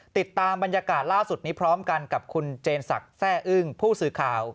ติดตามบรรยากาศล่าสุดนี้พร้อมกันกับคุณเจนศักดิ์แซ่อึ้งผู้สื่อข่าว